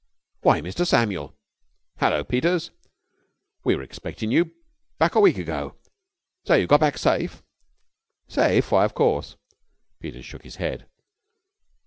"Why, Mr. Samuel!" "Hullo, Peters!" "We were expecting you back a week ago. So you got back safe?" "Safe? Why, of course," Peters shook his head.